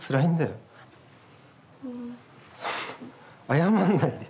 謝んないで！